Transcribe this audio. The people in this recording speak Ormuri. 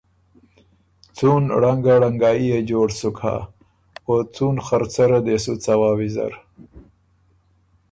څُون ړنګايي يې جوړ سُک هۀ او څُون خرڅۀ ره دې سُو څوا ویزر